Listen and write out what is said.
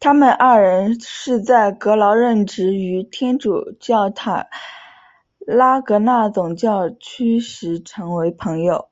他们二人是在格劳任职于天主教塔拉戈纳总教区时成为朋友。